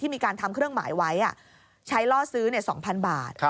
มีการทำเครื่องหมายไว้ใช้ล่อซื้อ๒๐๐๐บาท